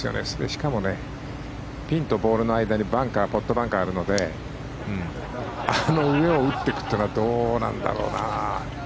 しかも、ピンとボールの間にポットバンカーがあるのであの上を打っていくというのはどうなんだろうな。